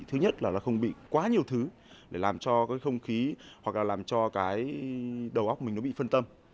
thứ nhất là nó không bị quá nhiều thứ để làm cho cái không khí hoặc là làm cho cái đầu óc mình nó bị phân tâm